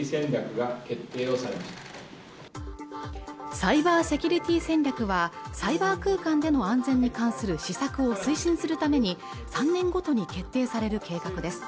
サイバーセキュリティ戦略はサイバー空間での安全に関する施策を推進するために３年ごとに決定される計画です